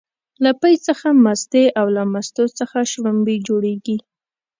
له پی څخه مستې او له مستو څخه شلومبې جوړيږي